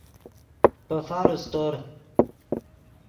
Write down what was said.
پے فارو سیتور